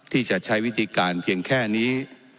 ที่จะใช้วิธีการเพียงแค่นี้